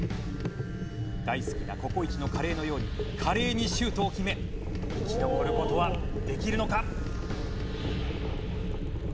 大好きなココイチのカレーのように華麗にシュートを決め生き残る事はできるのか？